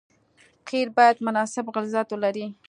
قیر باید مناسب غلظت ولري